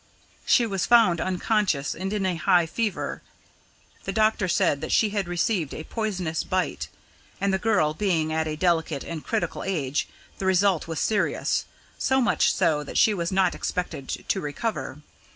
She was found unconscious and in a high fever the doctor said that she had received a poisonous bite, and the girl being at a delicate and critical age, the result was serious so much so that she was not expected to recover.